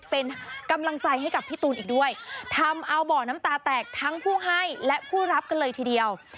เป็นกำลังใจให้กับพี่ตูนอีกด้วยทำเอาบ่อน้ำตาแตกทั้งผู้ให้และผู้รับกันเลยทีเดียว